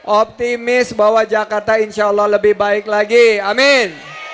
optimis bahwa jakarta insya allah lebih baik lagi amin